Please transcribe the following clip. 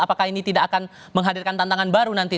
apakah ini tidak akan menghadirkan tantangan baru nanti